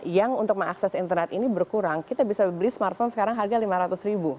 yang untuk mengakses internet ini berkurang kita bisa beli smartphone sekarang harga lima ratus ribu